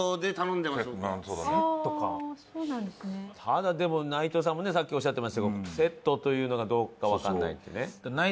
ただでも内藤さんもねさっきおっしゃってましたけどセットというのがどうかわかんないってね。